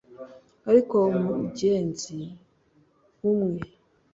ariko mugenzi umwe